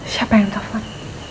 siapa yang telepon